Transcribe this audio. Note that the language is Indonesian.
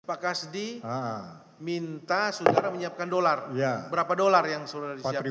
pak kasdi minta saudara menyiapkan dolar berapa dolar yang sudah disiapkan